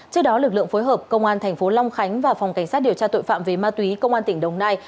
trước đó lực lượng phối hợp công an thành phố long khánh và phòng cảnh sát điều tra tội phạm về ma túy công an tỉnh đồng nai